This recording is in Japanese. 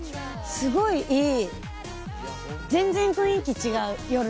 すごいいい。